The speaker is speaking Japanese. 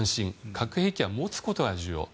核兵器は持つことが重要。